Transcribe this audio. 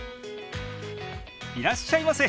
いらっしゃいませ！